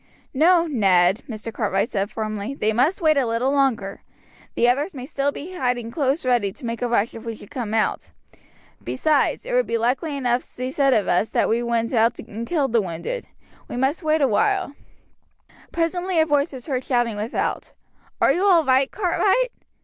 "No, Ned," Mr. Cartwright said firmly, "they must wait a little longer. The others may still be hiding close ready to make a rush if we come out; besides, it would likely enough be said of us that we went out and killed the wounded; we must wait awhile." Presently a voice was heard shouting without: "Are you all right, Cartwright?"